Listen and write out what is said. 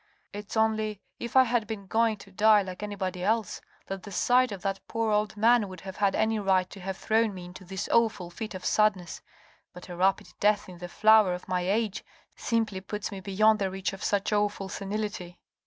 " It's only, if I had been going to die like anybody else, that the sight of that poor old man would have had any right to have thrown me into this awful fit of sadness : but a rapid death in the flower of my age simply puts me beyond the reach of such awful senility."